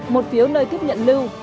một phiếu nơi tiếp nhận lưu